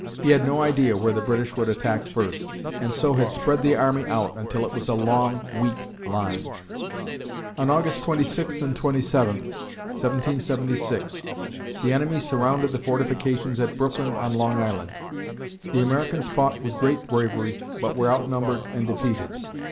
He had no idea where the British would attack first, and so had spread the army out until it was a long, weak line. On August 26 and 27 (1776), the enemy surrounded the fortifications at Brooklyn on Long Island. The Americans fought with great bravery, but were outnumbered and defeated.